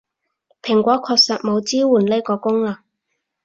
蘋果確實冇支援呢個功能